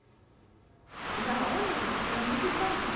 今は女でも東大に行く時代やで。